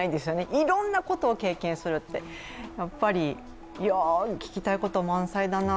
いろんなことを経験するって、聞きたいこと満載だな。